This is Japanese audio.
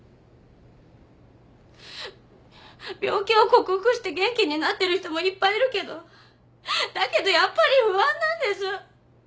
病気を克服して元気になってる人もいっぱいいるけどだけどやっぱり不安なんです。